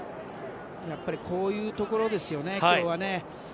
やっぱりこういうところですね、今日は。